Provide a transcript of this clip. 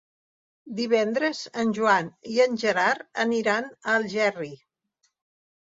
Divendres en Joan i en Gerard aniran a Algerri.